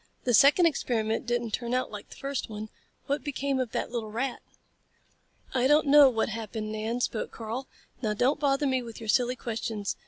The second experiment didn't turn out like the first one. What became of that little rat?" "I don't know what happened, Nan," spoke Karl. "Now don't bother me with your silly questions.